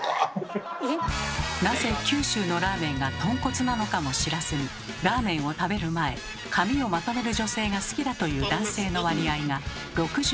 なぜ九州のラーメンがとんこつなのかも知らずにラーメンを食べる前髪をまとめる女性が好きだという男性の割合が６６％。